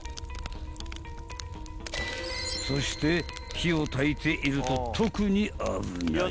［そして火をたいていると特に危ない］